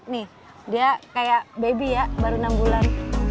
nih dia kayak baby ya baru enam bulan